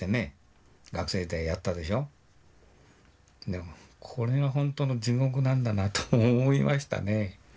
でもこれが本当の地獄なんだなと思いましたね。